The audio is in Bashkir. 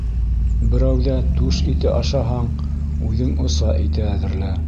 Берәүҙә түш ите ашаһаң, үҙең оса ите әҙерлә.